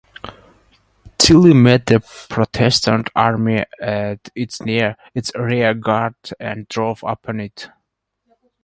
Tilly met the Protestant army at its rear guard and drove upon it.